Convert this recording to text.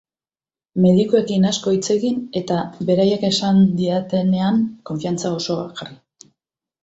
Medikuekin asko hitz egin eta baraiek esaten didatenean konfiantza osoa jarri.